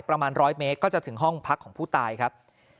ประมาณ๑๐๐เมตรก็จะถึงห้องพักของผู้ตายครับ